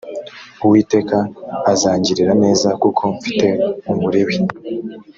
uwiteka azangirira neza kuko mfite umulewi